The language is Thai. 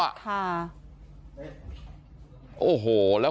โอ้โหแล้ว